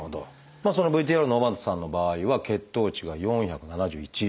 ＶＴＲの尾又さんの場合は血糖値が４７１。